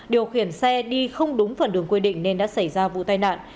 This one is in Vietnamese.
điều khiển xe đi không đúng phần đường quy định nên đã xảy ra vụ tai nạn